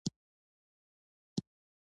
د ناول اقتباسات د شعارونو په توګه کارول کیږي.